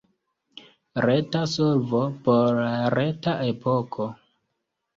Reta solvo por la reta epoko.